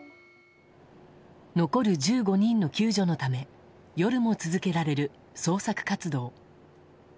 残る１５人の救助のため夜も続けられる捜索活動。